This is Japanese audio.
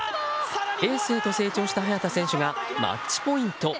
エースへと成長した早田選手がマッチポイント。